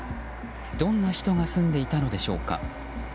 どんな人が住んでいたのでしょうか。